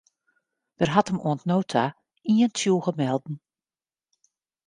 Der hat him oant no ta ien tsjûge melden.